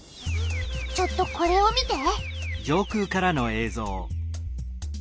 ちょっとこれを見て。